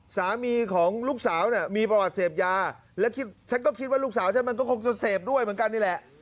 สามีของลูกสาวเนี่ยมีประวัติเสพยาแล้วฉันก็คิดว่าลูกสาวฉันมันก็คงจะเสพด้วยเหมือนกันนี่แหละ